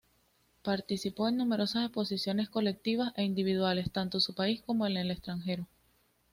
Participó en numerosas exposiciones, colectivas e individuales, tanto su país como en el extranjero.